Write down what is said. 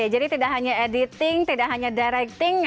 jadi tidak hanya editing tidak hanya directing